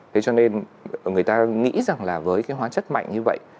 thế cho nên người ta nghĩ rằng là với cái hóa chất mạnh như vậy